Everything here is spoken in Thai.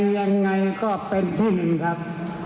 ยังไงก็เป็นที่หนึ่งครับ